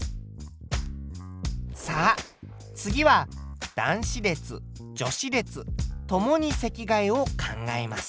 さあ次は男子列・女子列共に席替えを考えます。